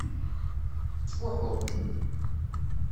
Tettfuḥuḍ.